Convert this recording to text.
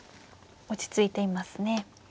落ち着いていますね。